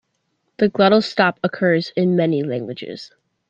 The glottal stop occurs in many languages.